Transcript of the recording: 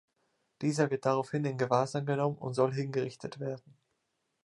Dieser wird daraufhin in Gewahrsam genommen und soll hingerichtet werden.